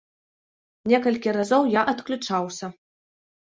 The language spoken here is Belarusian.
Некалькі разоў я адключаўся.